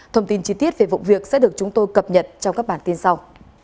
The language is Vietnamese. thông tin chi tiết về vụ việc sẽ được chúng tôi cập nhật trong các bản tin sau